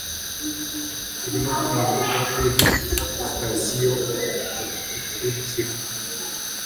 Turimo tumanuka kuri sitasiyo ikurikira.